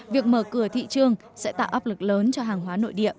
việc mở cửa thị trường sẽ tạo áp lực lớn cho hàng hóa